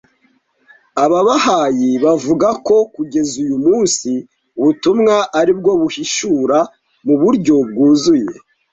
Ababahayi bavuga ko kugeza uyu munsi ubutumwa ari bwo buhishura mu buryo bwuzuye